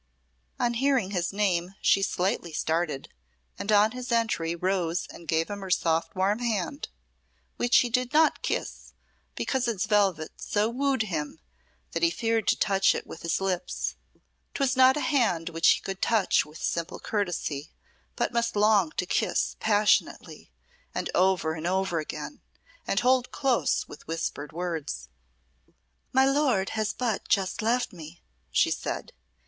On hearing his name she slightly started, and on his entry rose and gave him her soft warm hand, which he did not kiss because its velvet so wooed him that he feared to touch it with his lips. 'Twas not a hand which he could touch with simple courtesy, but must long to kiss passionately, and over and over again, and hold close with whispered words. "My lord has but just left me," she said.